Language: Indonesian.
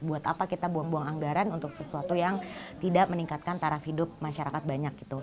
buat apa kita buang buang anggaran untuk sesuatu yang tidak meningkatkan taraf hidup masyarakat banyak gitu